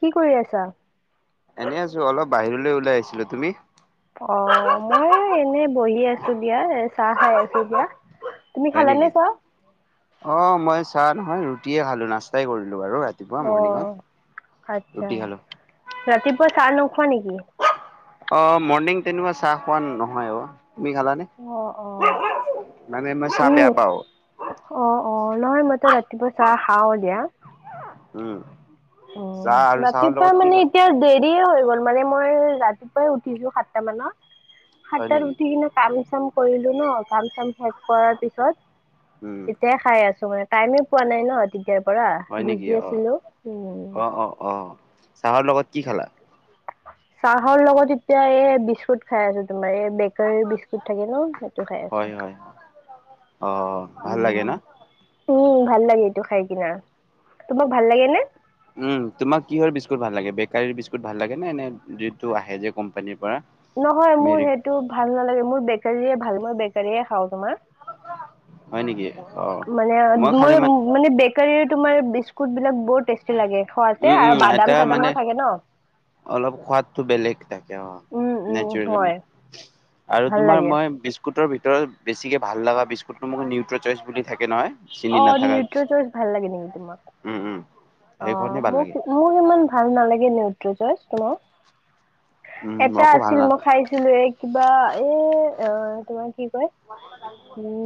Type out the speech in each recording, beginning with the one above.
কি কৰি আছা এনেই আছো অলপ বাহিৰলৈ ওলাই আহিছিলো তুমি অ মই এনে বহি আছো দিয়া চাহ খাই আছো দিয়া তুমি হয় খালানে নেকি চাহ? অ মই চাহ নহয় ৰুটিয়ে খালো নাস্তাই কৰিলো বাৰু ৰাতিপুৱা মৰ্ণিঙত অহ আচ্ছা ৰুটি খালো ৰাতিপুৱা চাহ নোখোৱা নেকি অ মৰ্ণিং তেনেকুৱা চাহ খোৱা নহয় অ তুমি খালানে অ অ মানে মই চাহ উম বেয়া পাও অ অ নহয় মইত ৰাত ৰাতিপুৱা চাহ খাওঁ দিয়া উম চাহ অহ আৰু চাহৰ ৰাতিপুৱা লগত কি মানে খাল এতিয়া দে দেৰি হৈ গ'ল মানে মই ৰাতিপুৱাই উঠিছো সাতটা মানত হয় সাতটাত নেকি উঠি কিনে কাম চাম কৰিলো ন কাম চাম শেষ কৰাৰ পিছত উম তেতিয়াই খাই আছো মানে টাইমে পোৱা নাই ন তেতিয়াৰ পৰা হয় নেকি বিজি অ আছিলো উম। অ অ অ চাহৰ লগত কি খালা চাহৰ লগত এতিয়া এই বিস্কুট খাই আছো তোমাৰ এই বেগ গৰ বিস্কুট থাকে ন সেইটো খাই হয় আছো হয় অ ভাল লাগে ন উম উম ভাল লাগে এটো খাই কিনা তোমাক ভাল লাগে নে উম তোমাক কিহৰ বিস্কুট ভাল লাগে বেকাৰীৰ বিস্কুট ভাল লাগে নে নে যিটো আহে যে কোম্পানীৰ পৰা নহয় মোৰ মেৰি সেইটো ভাল নালাগে মোৰ বেকাৰীয়ে ভাল মই বেকাৰীয়ে খাওঁ তোমাৰ হয় নেকি অ মানে খালি মই মান মানে তোমাৰ বিস্কুট বিলাক বৰ টেষ্টি লাগে খোৱাতে উম উম আৰু আইতা বাদাম মানে চাদামৰ থাকে ন। অলপ সোৱাদটো বেলেগ থাকে অ উম উম নেচাৰেল হয় আৰু ভাল তোমাৰ লাগে মই বিস্কুটৰ ভিতৰত বেছিকৈ ভাল লগা বিস্কুটটো মোক নিউট্ৰ চইচ বুলি থাকে নহয় চিনি অ নাথাকা নিউট্ৰ চইচ ভাল লাগে নেকি তোমাক? উম উম অ সেইখনেই ভাল মোক লাগে মোৰ ইমান ভাল নালাগে নিউতৰি ছইছ তোমাৰ? উম এটা আকৌ ভাল আছিল না মই খাইছিলো এ কিবা এ অ তোমাৰ কি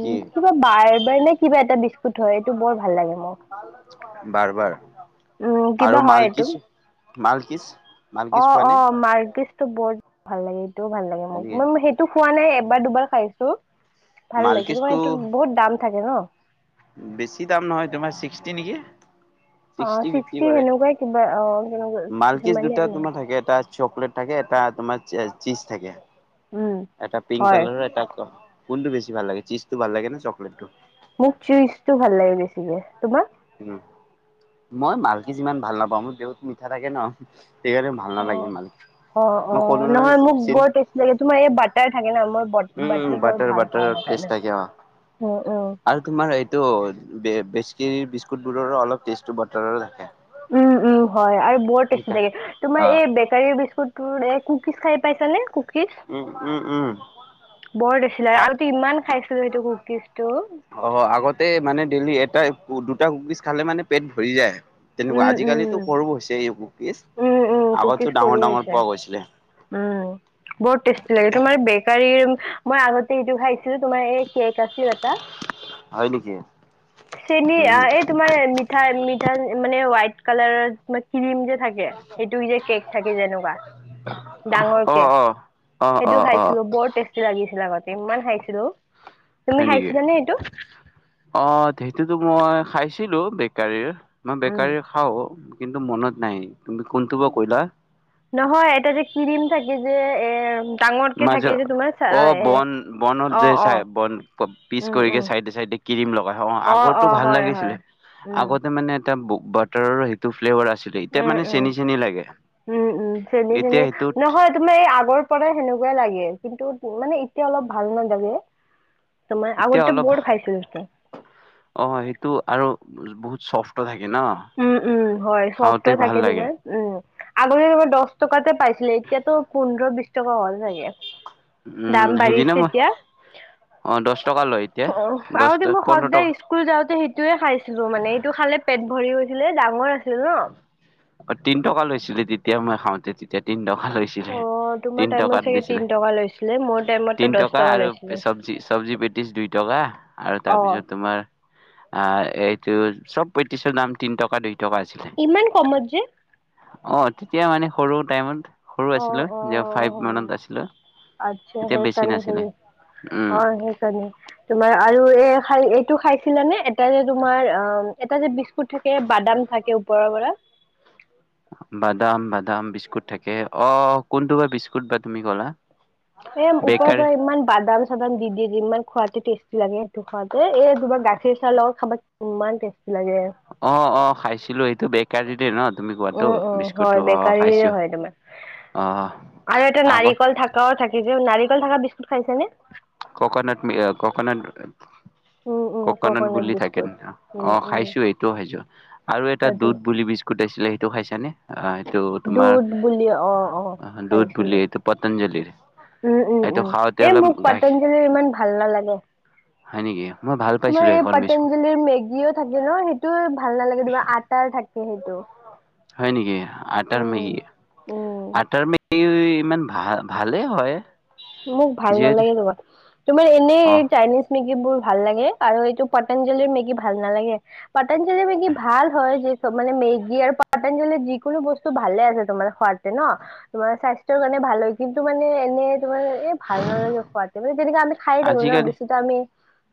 কি কিবা বাৰ বাৰ নে কিবা এটা বি হয় এইটো বৰ ভাল লাগে মোক বাৰ বাৰ উম আৰু কিবা হয় এইটো মালকিছ মালকিছ অ মালকিছ খোৱা অ নে মালকিস্ত বৰ ভাল লাগে এইটোও ভাল লাগে হয় মোক নেকি মই সেইটো খোৱা নাই এবাৰ দুবাৰ খাইছো। ভাল লাগে তোমাৰ মালকিছটো এইটো বহুত দাম থাকে ন। বেছি দাম নহয় তোমাৰ ছিক্সটি নেকি। [unintelligible] অ ছিক্সটি কৰে সেনেকুৱাই কিবা অ কেনেকুৱা মালকিস্ত সিমানেই দুটা তোমাৰ থাকে এটা চকলেট থাকে এটা তোমাৰ চিজ থাকে। উম এটা পিংক হয় কালাৰৰ এটা। কোনটো বেছি ভাল লাগে চিজতটো ভাল লাগে ন চকলেটটো? মোক চিজ ভাল লাগে বেছিকে। তোমাক? উম, মই মালকীজ সিমান ভাল নাপাওঁ মোৰ বহুত মিঠা থাকে ন? সেইকাৰণে ভাল অ নালাগে মালিক। অ অ নহয় মোক বৰ টেষ্টি লাগে তোমাৰ এই বাটাৰ থাকে ন মই বাটাৰ বৰ ভাল পাওঁ হয়। বেছ থাকৱা আৰু তোমাৰ এইটো [unintelligible] বেচকেৰি বিস্কুটবোৰৰো অলপ টেষ্টটো বাতাৰৰ থকে। উম উম হয় আৰু বৰ টেষ্টি লাগে তোমাৰ অ', এই বেকাৰীৰ বিস্কুত কুকিজ খাই পাইছনে কুকিৰ, উম, উম, উম, বৰ দেখিলে [unintelligible] ইমান খাই [unintelligible] অ' আগতে মানে ডেইলি এটা দুটা কুকিজ খালে মানে পেট ভৰি যায়। তেনেকুৱা, উম আজিকালিতো উম সৰু হৈছে এই কুকিছ। উম উম, কুকিজ সৰু হৈছে। উম, বহুত টেষ্টি লাগে তোমাৰ বেকাৰী মই আগতে এটো খাইছিলো তোমাৰ এই কেক আছিল এটা। হয় নেকি? চেনী উম এই তোমাৰ মিঠাই মিঠা মানে হোৱাইট কালাৰ তোমাৰ ক্ৰীম যে থাকে। সেইটো যে কেক থাকে যেনেকুৱা ডাঙৰ অ কে। অ অ অ সেইটো অ খাইছিলো বৰ টেষ্টি লাগিছিল আগতে ইমান খাইছিলো। তুমি হয় নেকি, খাইছিলানে এইটো অ' সেইটোতো মই খাইছিলোঁ, বেকাৰীৰ মই উম বেকাৰী খাওঁ কিন্তু মনত নাই। তুমি কোনটো বা কৈলা? নহয়, এটা যে ক্সিম থাকে যে এ ডাঙৰকে থাকে মাজত যে তোমাৰ চা- অ', এ বন বনত অ যে অ চাই বন পিছ উম কৰি উম গে চাইডে চাইডে ক্ৰীম লগাই অ', আগৰটো অ ভাল হয় হয় লাগিছিলে উম আগতে মানে এটা বাটাৰৰ সেইটো ফ্লেভাৰ আছিলে। এতিয়া উম মানে উম চেনি চেনি লাগে। উম, উম চেনী চেনী, এতিয়া সেইটোত নহয় তোমাৰ এই আগৰ পৰাই সেনেকুৱা লাগে। কিন্তু মানে এতিয়া অলপ ভাল নালাগে। ত মই এতিয়া আগতে অলপ বহুত খাইছিলো। অ সেইটো আৰু বহুত চফ্ট থাকে ন? উম, উম, হয় চফ্ট খাওঁতে ভাল থাকে। লাগে তোমাৰ উম, আগতে তোমাৰ দহ টকাতে পাইছিলে এতিয়াতো পোন্ধৰ বিশ টকা হল লাগে, উম দাম সেইদিনা বাঢ়িছে মই এতিয়া। অ দহ টকা লয় এতিয়া অ', দহ আগতে মই পোন্ধৰ সদায় টকা স্কুল যাওতে সেই সেটোয়ে খাইছিলো মানে এইটো খালে পেট ভৰি গৈছিলে ডাঙৰ আছিল ন। অ তিন টকা লৈছিলে তেতিয়া মই খাওঁতে তেতিয়া তিন টকা লৈছিলে। অ', তোমাৰ তিন টাইমত টকাত চাগে তিন দিছিলে টকা লৈছিলে মোৰ টাইমতো তিন দহ টকা আৰু লৈছিলে। চবজি চবজি পেতিছ দুই টা আৰু অ', তাৰপিছত তোমাৰ আহ এইটো চব পেতিছৰ দাম তিন টকা দুই, টকা আছিলে ইমান কমত যে। অ তেতিয়া মানে সৰু টাইমত সৰু অ', আছিলো যে অ', ফাইভ হয় মানত আছিলো। আচ্ছা তেতিয়া বেছি সেইকাৰণে নাছিলে হেৰি উম অ সেইকাৰণে তোমাৰ আৰু এ, এইটো খাইছিলানে এটা যে তোমাৰ অ এটা যে বিস্কুট থাকে বাদাম থাকে ওপৰৰ পৰা। [inaudible] বাদাম বাদাম বিস্কুট থাকে অ কোনটো বা বিস্কুট বা তুমি ক'লা। এ ওপৰৰ বেকাৰ পৰা ইমান বাদাম চাদাম দি দিয়ে যে ইমান খুৱতে টেষ্টি লাগে সেইটো খুৱতে এ তোমাৰ গাখীৰ, চাহৰ লগত খাবা ইমান টেষ্টী অ অ খাইছিলো এইটো বেকাৰী দ নত, উম উম হয় বেকাৰী হয় তোমাৰ। অ আৰু এটা আগত নাৰিকল থাকাও থাকাও যে নাৰিকল থাকা বিস্কুট খাইছে নে। ককনাট ককনাট [unintelligible] ককনাট বুলি থাকে ন বিস্কুট উম অ উম খাইছো এইটোও খাইছো আৰু এটা সেইটো দুধ বুলি বিস্কুট আছে। লে সেইটো খাইছা নে। দুধ বুলি অ অ দুধ বুলি খাইছিলো। এইটো পতঞ্জলিৰ উম উম‌ এইটো উম খাওঁতে এই অলপ মোক গাখীৰ পতঞ্জলিৰ ইমান ভাল নালাগে। হয় নেকি মই ভাল তোমাৰ পাইছিলো এই সেইখন বিস্কুট পতঞ্জলিৰ মেগিও থাকে ন সেইটো ভাল নালাগে তোমাৰ আটাৰ থাকে সেইটো। হয় নেকি। আটাৰ উম, উম, মেগী-আটাৰ মগী এই ইমান ভাল ভালেই হয়। মোক ভাল যিহেতু নালাগে কিবা, তোমাৰ এনেই অ চাইনিজ মেগী বোৰ ভাল লাগে আৰু এইটো পতঞ্জলিৰ মেগী ভাল নালাগে, পতঞ্জলিৰ মেগী ভাল হয় যে মানে মেগী আৰু পতাঞ্জলিৰ যিকোনো বস্তু ভালে আছে তোমাৰ খোৱাতে ন' তোমাৰ স্বাস্থ্যৰ কাৰণে ভাল হয় কিন্তু মানে এনেই তোমাৰ এই ভাল নালাগে খোৱাতে মানে তেনেকে আমি খাই থাকো ন' আজিকালি বেছিতো আমি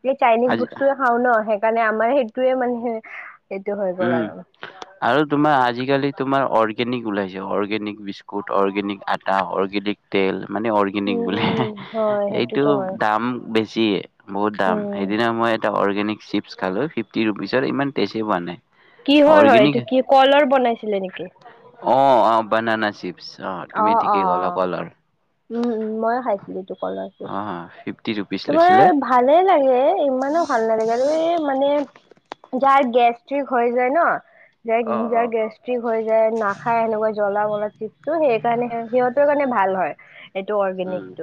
এই চাইনিজ আজি বস্তুৱে খাওঁ ন' সেইকাৰণে আমাৰ সেইটোৱে মানে সেইটো হৈ গ'ল উম আৰু। আৰু তোমাৰ আজিকালি তোমাৰ অৰ্গেনিক ওলাইছে, অৰ্গেনিক বিস্কুট, অৰ্গেনিক আটা, অৰ্গেনিক তেল মানে উম অৰ্গেনিক বোলে, উম হয় সেইটোতো এইটো হয় দাম বেছিয়ে। বহুত দাম। উম সেইদিনা মই এটা অৰ্গেনিক চিপছ খালোঁ ফিফটি ৰুপিচত ইমান টেষ্টি পোৱা নাই। কিহৰ হয় অৰ্গেনিক এইটো কি কলৰ বনাইছিলে নেকি? অ'-অ' বানানা চিপছ অ' তুমি ঠিকেই ক'লা কলৰ। উম-উম, ময়ো খাইছিলোঁ এইটো কলৰটো, অ ফিফটি ৰুপিচ তোমাৰ লৈছিলে ভালে লাগে ইমান মানে ভাল নালাগে আৰু এই মানে যাৰ গেছ গেষ্ট্ৰিক হৈ যায় ন' অ য অ যাৰ গেষ্ট্ৰিক হৈ যায় নাখায় সেনেকুৱা জলা মলা চিপছ সেই কাৰণে সিহঁতৰ কাৰণে ভাল হয় এইটো উম অৰ্গেনিকটো।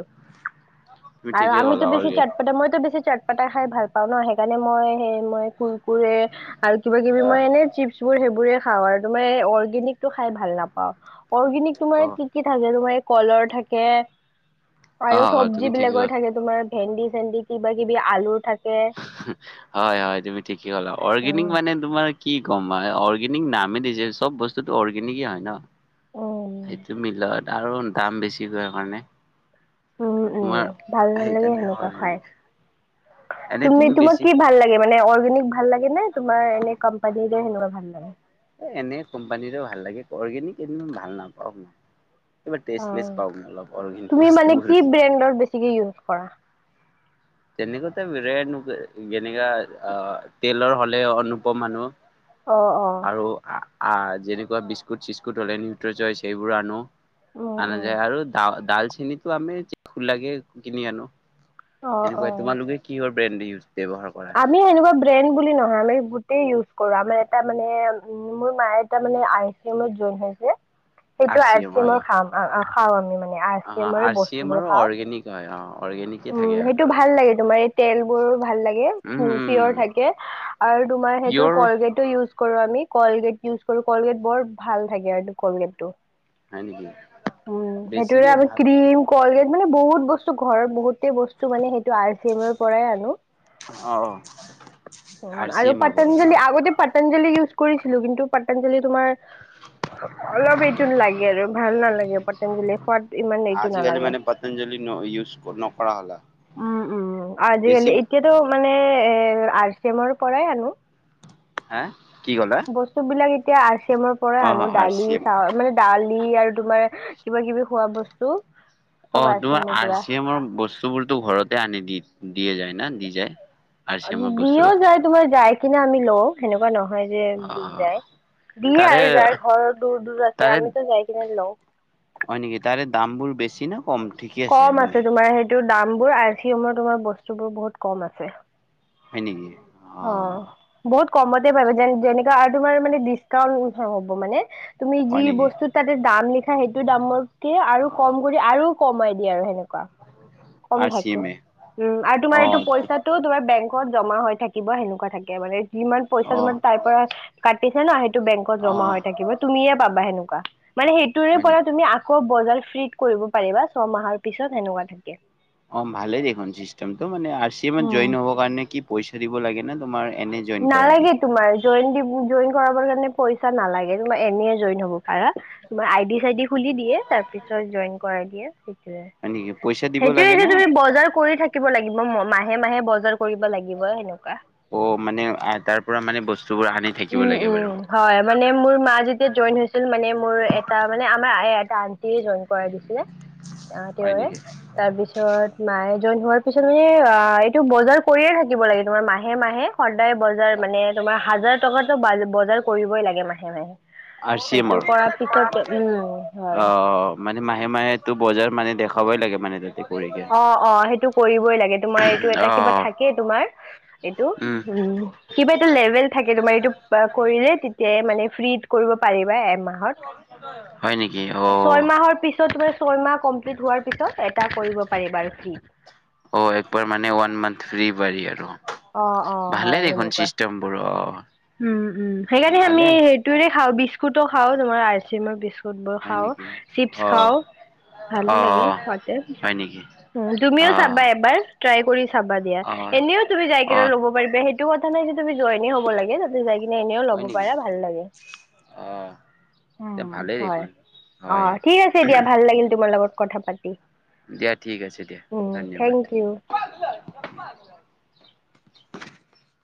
তুমি আৰু ঠিকেই আমিতো ক'লা অ বেছি চাট পাতা মইতো বেছি চাট পাতা খাই ভাল পাওঁ ন' সেই সেইকাৰণে মই সেই মই কুৰকুৰে আৰু কিবা কিবি মই এনে চিপছবোৰ সেইবোৰ সেই বোৰে খাওঁ আৰু তোমাৰ অৰ্গেনিকটো খাই ভাল নাপাওঁ। অৰ্গেনিক তোমাৰ অ কি-কি থাকে তোমাৰ কলৰ থাকে অ আৰু অ চবজি তুমি ঠিকেই বিলাকৰ ক'লা থাকে তোমাৰ ভেন্দি চেন্দি কিবা কিবি আলু থাকে হয়-হয়, তুমি ঠিকেই কলা অৰ্গেনিক উম। মানে তোমাৰ কি কম মানে অৰ্গেনিক নামেই দিছে চব বস্তুটো অৰ্গেনিকেই হয় ন'। এইটো উম মিলত আৰু দাম বেছি হয় কাৰণে। উম, উম, তোমাৰ ভাল নালাগে সেইকাৰণে সেনেকুৱা খাই। অৰ্গেনিক এনে তুমি তোমাক বেছি কি ভাল লাগে মানে অল অ'ৰ্গেনিক ভাল লাগে নে তোমাৰ এনে কোম্পানীৰ হেনেকুৱা ভাল লাগে? এ এনে কোম্পানীৰো ভাল লাগে অ'ৰ্গেনিক এনে ভাল নাপাওঁক মই। কিবা টেষ্টলেছ অ', পাওঁ মই অলপ অৰ্গেনিক তুমি মানে বস্তুবোৰ কি ব্ৰেণ্ডৰ বেছিকে ইউজ কৰা? তেনেকুৱাতে [unintelligible] যেনেকা অহ, তেলৰ হ'লে অনুপম আনো। অ', অ', আৰু আ, আ, যেনেকুৱা বিস্কুট চিস্কুট হ'লে নিউট্ৰজইচ এইবোৰ আনো। উম, আনা উম, যায় আৰু দা দালচেনিটো আমি খুলাকে কিনি আনো। অ', এনেকুৱাই অ'। তোমালোকে কিহৰ ব্ৰেড ইউজ ব্যৱহাৰ কৰা? আমি সেনেকুৱা ব্ৰেইন বুলি নহয় আমি তেই ইউজ কৰোঁ আমাৰ এটা মানে মোৰ মায়ে এটা মানে আৰ চি এমত জইন কৰিছে। আৰ সেইটো চি আইচ এম হয়। ক্ৰীমৰ খাম খাওঁ আমি মান আৰ চি অ' এমৰে আৰ চি এম বস্তুবোৰ আৰু খাওঁ অৰ্গেনিক হয় অ' অৰ্গেনিকে উম, থাকে সেইটো সিহঁতৰ। ভাল লাগে তোমাৰ তেল বোৰো ভাল লাগে উম, উম, পিয়'ৰ থাকে আৰু তোমাৰ সেইটো পিয়ৰ কলগেটো ইউজ কৰোঁ আমি কলগেট ইউজ কৰোঁ কলগেট বৰ ভাল থাকে আৰুটো কলগেটটো। হয় নেকি? উম, সেইটোৰে বেছিকে আমি ভাত ক্ৰীম কলগেট মানে বহুত বস্তু ঘৰত বহুতেই বস্তু মানে সেইটো আৰ চি এমৰ পৰাই আনো। অ' উম, আৰ চি আৰু এমৰ পৰা ন? পতাঞ্জলি আগতে পত পাতঞ্জলি ইউজ কৰিছিলো কিন্তু পাতঞ্জলি তোমাৰ অলপ এইটো লাগে আৰু ভাল নালাগে পতঞ্জলিৰ সোৱাদ আজিকালি মানে পতঞ্জলি ন' ইউজ নকৰা হ'লা। উম, উম, বেছি আজিকালি এতিয়াতো মানে এ আৰ চি এমৰ পৰাই আনো। হা? কি ক'লা? বস্তু বিলাক এতিয়া আৰ চি এমৰ পৰাই অ' আনো। আৰ দালি, চি এম। চাউল মানে দাল আৰু তোমাৰ কিবা-কিবি খোৱা বস্তু। চব অ', চি তোমাৰ এমৰ আৰ পৰা। চি এমৰ বস্তুবোৰতো ঘৰতে আনি দি দিয়ে যায় ন দি যায়? আৰ চি অ', এমৰ দিওঁ বস্তুবোৰ যায়। তোমাৰ যাই কিনে আমি লওঁ, সেনেকুৱা নহয় যে দি অ' যায়। দিয়ে তাৰে আৰু যাৰ ঘৰৰ দূৰ-দূৰ আছে। তাৰে আমিতো যাই কিনে লওঁ। হয় নেকি? তাৰে দাম বোৰ বেছি ন কম? ঠিকে আছে মানে। দাম বোৰ আই চি এমৰ তোমাৰ বস্তু বোৰ বহুত কম আছে। হয় নকি? অ'। বহুত কমতে পাবা। যেনে আৰু তোমাৰ মানে ডিছকাউন্ত হ'ব মানে। তুমি যি হয় নেকি বস্তুত তাতে দাম লিখা সেইটো দামতকে আৰু কম অ কৰি আৰু কমাই দিয়ে আৰু সেনে কুৱা। আৰ চি এম এ [unintelligible] উম, আৰু তোমাৰ অ এইটো পইচাটো তোমাৰ বেংক ত জমা হৈ থাকিব, সেনেকুৱা থাকে। মানে যিমান পইচা অ তোমাৰ তাৰ পৰা কাটিছে ন সেই টো বেংকত অ জমা হৈ থাকিব। তুমিয়ে পাবা হেনেকুৱা। মানে হেইটোৰে হয় পৰা নেকি তুমি আকৌ বজাৰ ফ্ৰী কৰিব পাৰিবা ছমাহৰ পিছত সেনেকুৱা থাকে। অ', ভালেই দেখোন চিষ্টেমটো। মানে আৰ চি এমত জইন হ'ব কাৰণে কি পইচা দিব লাগেনে তোমাৰ এনে জইন কৰাই নালাগে দিয়ে তোমাৰ, জইন দিব-জইন কৰাবৰ কাৰনে পইচা নালাগে, তোমাৰ এনেই জিন হ'ব পাৰা। তোমাৰ আই ডি-ছাই ডি খুলি দিয়ে, তাৰপিছত জইন কৰাই দিয়ে। হয় নেকি পইচা দিব লাগে সেইটোয়ে যে না তুমি বজাৰ কৰি থাকিব লাগিব। মাহে-মাহে বজাৰ কৰিব লাগিবই, হেনেকুৱা। অ মানে তাৰ পৰা মানে বস্তু উম-উম হয় মানে মোৰ মা যেতিয়া জইন হৈছিল মানে মোৰ এটা আন্টিে জইন কৰা দিছিলে। আহ, হয় তেওঁৱে নেকি তাৰপিছত মায়ে জইন হোৱাৰ কিছুমানে অ,, এইটো বজাৰ কৰিয়ে থাকিব লাগে তোমাৰ মাহে -মাহে সদায় বজাৰ মানে তোমাৰ হাজাৰ টকাটো বা বজাৰ কৰিবই লাগে মাহে-মাহে। আৰ চি এম ৰ উম হয় অ, মানে মাহে- মাহেটো বজাৰ মানে দেখ খাবই লাগে মানে তে অহ অহ সেইটো কৰিবই লাগে তোমাৰ এইটো এটা অ কিবা থাকেই তোমাৰ এইটো উম। কিবা এটা লেভেল থাকে তোমাৰ এই কিবা কৰিলে তেতিয়াই মানে ফ্ৰি কৰিব পাৰিবা এ। মাহত হয় নেকি অ ছয় মাহৰ পিছ। চৌ তোমাৰ ছয়মাহ কমপ্লিট হোৱাৰ পিছত এটা কৰিব পাৰি বাৰু ফ্ৰি। অহ একবাৰ মানে ওৱান মান্থ ফ্ৰি পাৰি আৰু অ অ হয় ভালে দেখোন সেনেকুৱা চিষ্টেম বোৰ অহ। উম উম সেইকাৰণে আমি সেইটোৰে খাওঁ বিস্কুটো খাওঁ তোমাৰ আৰ চি এমৰ বি। স্কুটবোৰ হয় খাওঁ নেকি চিপছ অ খাওঁ। ভালে অ লাগে সোৱাতে হয় নেকি উম তুমিও অ চাবা এবাৰ। ট্ৰাই কৰি চাবা দিয়া অ এনেও তুমি যাই অ কিনে ল'ব পাৰিবা সেইটো কথা নাই যে তুমি জইনে হ'ব লাগে তাতে যাই কিনে এনেও ল'ব হয় নেকি পাৰা ভাল লাগে। অ তে উম, ভালেই হয় দেখোন অ, হয় ঠিক আছে দিয়া ভাল লাগিল তোমাৰ লগত কথা পাতি। দিয়া ঠিক আছে দিয়া উম, ধন্যবাদ থেংক ইউ [unintelligible]